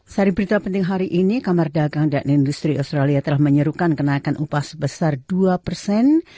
sari berita penting hari ini kamar dagang dan industri australia telah menyerukan kenaikan upah sebesar dua persen